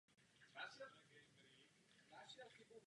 Buddhismus se časem stal na Srí Lance okrajovou záležitostí.